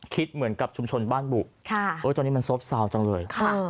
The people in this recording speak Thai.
เหมือนกับชุมชนบ้านบุตอนนี้มันซบซาวจังเลย